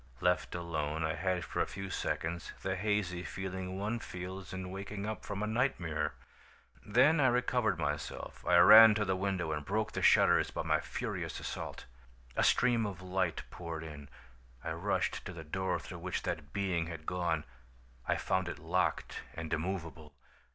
"Left alone, I had for a few seconds the hazy feeling one feels in waking up from a nightmare. Then I recovered myself. I ran to the window and broke the shutters by my furious assault. "A stream of light poured in. I rushed to the door through which that being had gone. I found it locked and immovable.